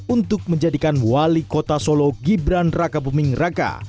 untuk menjadikan wali kota solo gibran raka buming raka